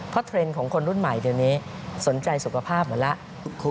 เพราะเทรนด์ของคนรุ่นใหม่เดี๋ยวนี้สนใจสุขภาพหมดแล้ว